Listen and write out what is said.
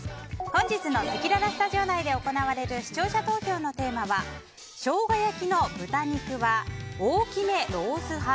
本日のせきららスタジオ内で行われる視聴者投票のテーマは生姜焼きの豚肉は大きめロース派？